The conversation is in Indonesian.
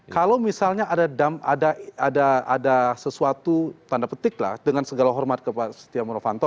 kalau misalnya ada sesuatu tanda petik lah dengan segala hormat kepada setia novanto